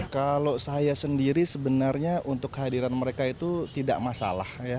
kalau saya sendiri sebenarnya untuk kehadiran mereka itu tidak masalah ya